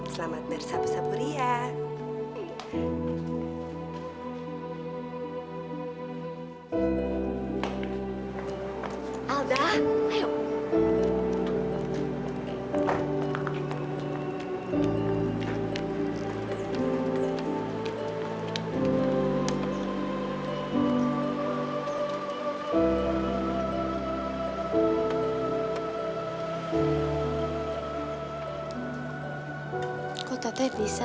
selamat bersepuri sepuri ya